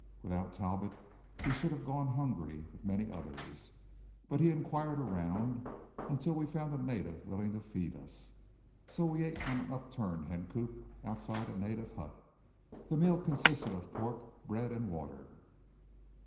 Without Talbot we should have gone hungry, with many others, but he inquired around until we found a native willing to feed us. So we ate on an upturned hencoop outside a native hut. The meal consisted of pork, bread, and water.